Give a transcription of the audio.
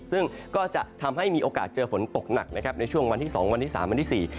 ซึ่งก็จะทำให้มีโอกาสเจอฝนตกหนักนะครับในช่วงวันที่สองวันที่สามวันที่สี่